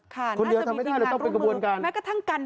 คนเดียวทำไม่ได้ต้องเป็นกระบวนการ